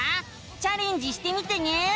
チャレンジしてみてね！